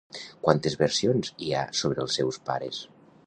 Quantes versions hi ha sobre els seus pares?